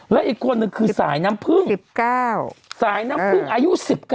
และอีกคนนึงคือสายน้ำพึ่ง๑๙สายน้ำพึ่งอายุ๑๙